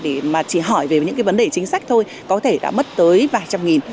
để mà chỉ hỏi về những cái vấn đề chính sách thôi có thể đã mất tới vài trăm nghìn